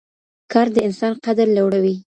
کار د انسان قدر لوړوي.